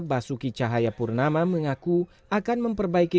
basuki cahayapurnama mengaku akan memperbaiki